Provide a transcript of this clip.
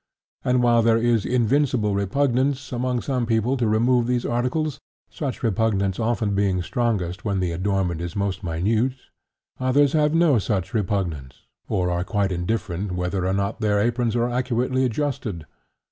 And while there is an invincible repugnance among some peoples to remove these articles, such repugnance being often strongest when the adornment is most minute, others have no such repugnance or are quite indifferent whether or not their aprons are accurately adjusted.